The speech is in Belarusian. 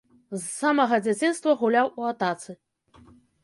З самага дзяцінства гуляў у атацы.